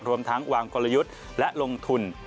รวมทั้งวางกลยุทธ์และลงทุน